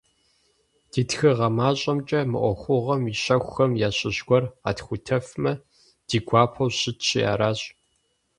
Ди тхыгъэ мащӏэмкӏэ мы ӏуэхугъуэм и щэхухэм ящыщ гуэр къэтхутэфмэ, ди гуапэу щытщи аращ.